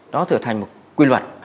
đó trở thành một quy luật